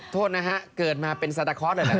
โทษนะฮะเกิดมาเป็นซาตาคอร์สเลยแหละ